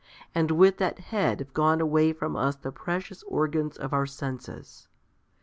And with that head have gone away from us the precious organs of our senses.